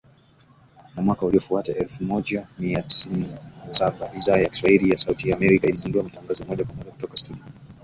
Na mwaka uliofuata, elfu moja mia tisa sitini na saba, Idhaa ya Kiswahili ya Sauti ya Amerika ilizindua matangazo ya moja kwa moja kutoka studio